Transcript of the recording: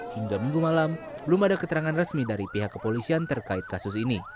hingga minggu malam belum ada keterangan resmi dari pihak kepolisian terkait kasus ini